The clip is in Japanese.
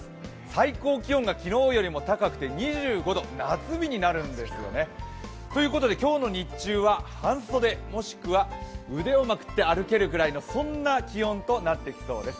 最高気温が昨日よりも高くて２５度夏日になるんですよね。ということで今日の日中は半袖、もしくは腕をまくって歩けるくらいのそんな気温となってきそうです。